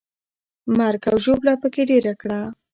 مرګ او ژوبله پکې ډېره کړه.